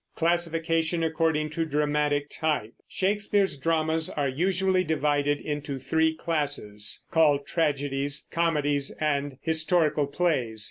CLASSIFICATION ACCORDING TO DRAMATIC TYPE. Shakespeare's dramas are usually divided into three classes, called tragedies, comedies, and historical plays.